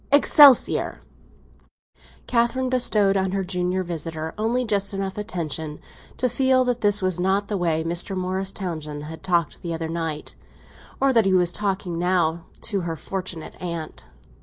—Excelsior!" Catherine bestowed on her junior visitor only just enough attention to feel that this was not the way Mr. Morris Townsend had talked the other night, or that he was talking now to her fortunate aunt.